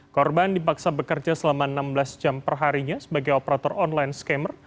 korban dipaksa bekerja selama enam belas jam perharinya sebagai operator online scammer